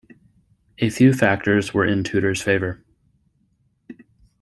A few factors were in Tudor's favor.